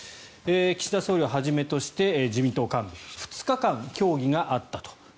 岸田総理をはじめとして自民党幹部２日間協議があったと。